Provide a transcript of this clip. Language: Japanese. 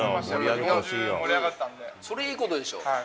日本中がそれいいことでしょ。